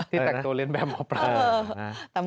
ที่แตกตัวเล่นแบบหมอปลา